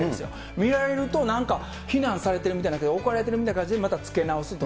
見られると、なんか、非難されてるみたいで、怒られているみたいな感じで、着け直すと。